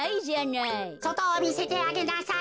そとをみせてあげなさい。